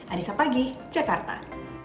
arissa pagi jakarta